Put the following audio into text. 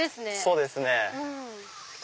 そうですね。